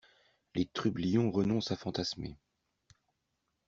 Les trublions renoncent à fantasmer.